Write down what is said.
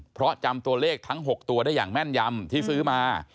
เพราะจำตัวเลขทั้ง๖ตัวได้อย่างแม่นยำที่ซื้อมา